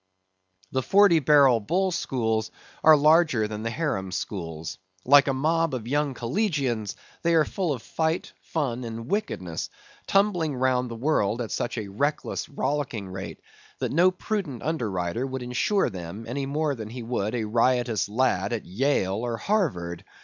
The Forty barrel bull schools are larger than the harem schools. Like a mob of young collegians, they are full of fight, fun, and wickedness, tumbling round the world at such a reckless, rollicking rate, that no prudent underwriter would insure them any more than he would a riotous lad at Yale or Harvard.